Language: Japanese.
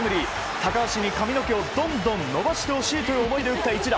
高橋に髪の毛をどんどん伸ばしてほしいという思いで打った一打。